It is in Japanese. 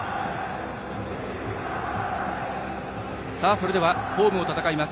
それでは、ホームを戦います